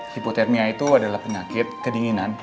hipotermia itu adalah penyakit kedinginan